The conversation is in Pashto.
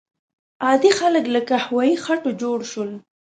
عادي خلک له قهوه یي خټو جوړ شول.